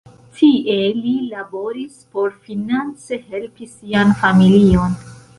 Tie li laboris por finance helpi sian familion.